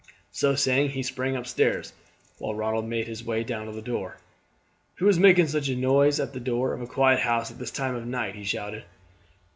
So saying he sprang upstairs, while Ronald made his way down to the door. "Who is making such a noise at the door of a quiet house at this time of night?" he shouted.